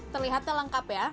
terlihatnya lengkap ya